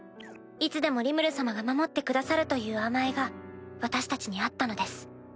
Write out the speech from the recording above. いつでもリムル様が守ってくださるという甘えが私たちにあったのです。